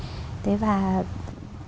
điểm thứ ba là phải đổi nhiệm